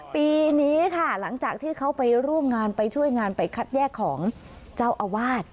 ปีนี้ค่ะหลังจากที่เขาไปร่วมงานไปช่วยงานไปคัดแยกของเจ้าอาวาส